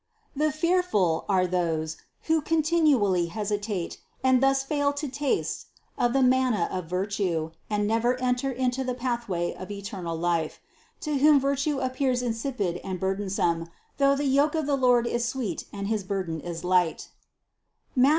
"The fearful" are those, who continually hesitate, and thus fail to taste of the manna of virtue and never enter into the pathway of eternal life; to whom virtue appears insipid and burdensome, though the yoke of the Lord is sweet and his burden is light (Matth.